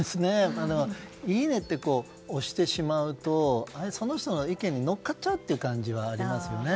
いいねって押してしまうとその人の意見に乗っかっちゃうという感じはありますよね。